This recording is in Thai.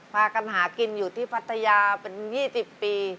พากันหากินอยู่ที่พัทยาเป็น๒๐ปี